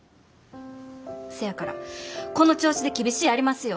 せやからこの調子で厳しやりますよ。